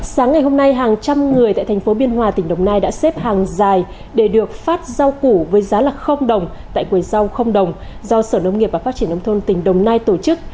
sáng ngày hôm nay hàng trăm người tại thành phố biên hòa tỉnh đồng nai đã xếp hàng dài để được phát rau củ với giá đồng tại quầy rau không đồng do sở nông nghiệp và phát triển nông thôn tỉnh đồng nai tổ chức